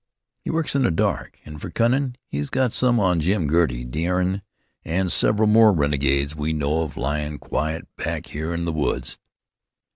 He works in the dark, an' for cunnin' he's got some on Jim Girty, Deerin', an' several more renegades we know of lyin' quiet back here in the woods.